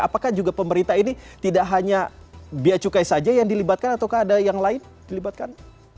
apakah juga pemerintah ini tidak hanya biaya cukai saja yang dilibatkan ataukah ada yang lain dilibatkan